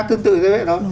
tương tự như vậy đó